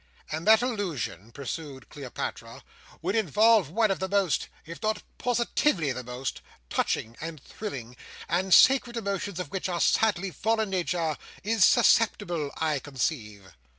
"And that allusion," pursued Cleopatra, "would involve one of the most—if not positively the most—touching, and thrilling, and sacred emotions of which our sadly fallen nature is susceptible, I conceive."